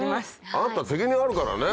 あなた責任あるからね？